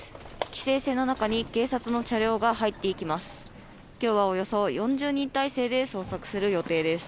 規制線の中に警察の車両が入っていきます。